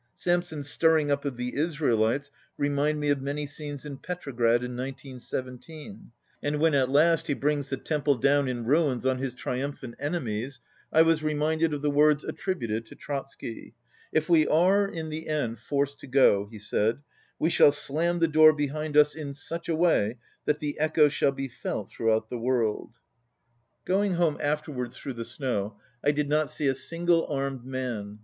Samson's stirring up of the Israelites reminded me of many scenes in Petrograd in 1917, and when, at last, he brings the temple down in ruins on his tri umphant enemies, I was reminded of the words at tributed to Trotsky :— "If we are, in the end, forced to go, we shall slam the door behind us in such a way that the echo shall be felt throughout the world." 93 Going home afterwards through the snow, I did not see a single armed man.